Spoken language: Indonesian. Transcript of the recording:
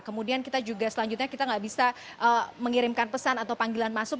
kemudian kita juga selanjutnya kita nggak bisa mengirimkan pesan atau panggilan masuk